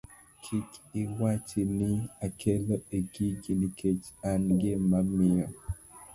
Kik iwachi ni akalo e gigi nikech an ng'ama miyo.